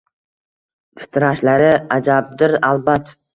Titrashlari ajabdir albat